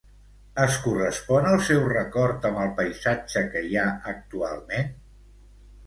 Es correspon el seu record amb el paisatge que hi ha actualment?